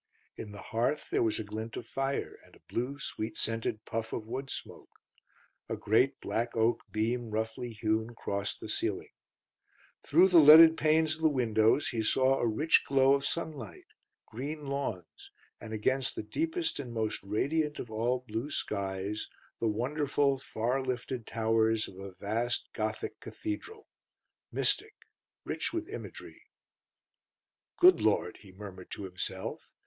In the hearth there was a glint of fire and a blue, sweet scented puff of wood smoke; a great black oak beam roughly hewn crossed the ceiling. Through the leaded panes of the windows he saw a rich glow of sunlight, green lawns, and against the deepest and most radiant of all blue skies the wonderful far lifted towers of a vast, Gothic cathedral mystic, rich with imagery. "Good Lord!" he murmured to himself.